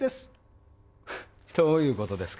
フフッどういうことですか？